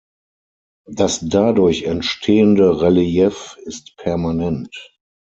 Das dadurch entstehende Relief ist permanent.